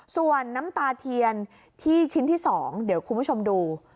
ส่วนน้ำตาเทียนที่ชิ้นที่๒เดี๋ยวคุณผู้ชมดู